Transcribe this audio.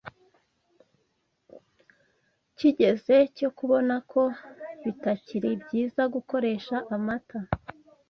kigeze cyo kubona ko bitakiri byiza gukoresha amata